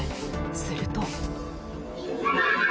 すると。